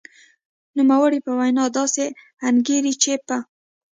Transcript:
نوموړې په وینا داسې انګېري چې په